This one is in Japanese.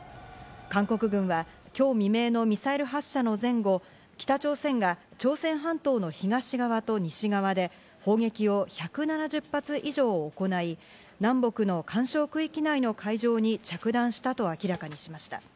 韓国軍は今日未明のミサイル発射の前後、北朝鮮が朝鮮半島の東側と西側で砲撃を１７０発以上行い、南北の緩衝区域内の海上に着弾したと明らかにしました。